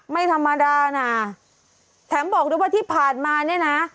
ไม่ธรรมดานะแถมบอกด้วยว่าที่ผ่านมาเนี่ยนะ